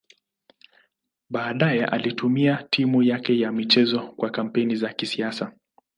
Baadaye alitumia timu yake ya michezo kwa kampeni za kisiasa.